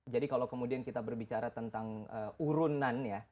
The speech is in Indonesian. jadi kalau kemudian kita berbicara tentang urunan ya